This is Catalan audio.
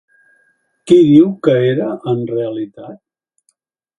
Qui diu que era en realitat?